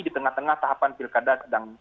di tengah tengah tahapan pilkada sedang